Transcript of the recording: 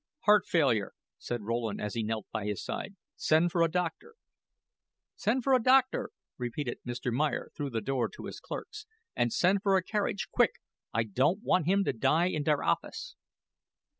"Heart failure," said Rowland, as he knelt by his side. "Send for a doctor." "Send for a doctor," repeated Mr. Meyer through the door to his clerks; "and send for a carriage, quick. I don't want him to die in der office."